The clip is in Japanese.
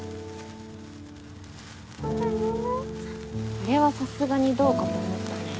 あれはさすがにどうかと思ったね。